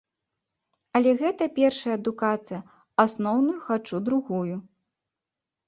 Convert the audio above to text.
Але гэта першая адукацыя, асноўную хачу другую.